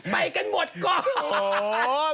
ไปกันหมดก่อน